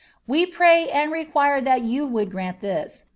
" Wo pray and re<]uira ihat you would giunl thjj.